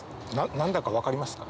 何だか分かりますか？